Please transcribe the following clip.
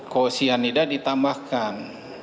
ko sianida ditambahkan